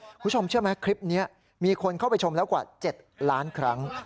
คุณผู้ชมเชื่อไหมคลิปนี้มีคนเข้าไปชมแล้วกว่า๗ล้านครั้ง